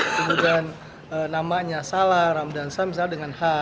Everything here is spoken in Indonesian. kemudian namanya salah ramadhan saham misalnya dengan h